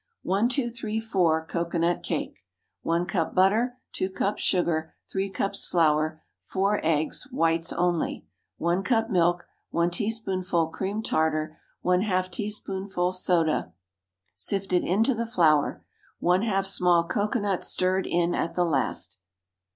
"ONE, TWO, THREE, FOUR" COCOANUT CAKE. 1 cup butter. 2 cups sugar. 3 cups flour. 4 eggs (the whites only). 1 cup milk. 1 teaspoonful cream tartar, } ½ teaspoonful soda, } sifted into the flour. ½ small cocoanut, stirred in at the last.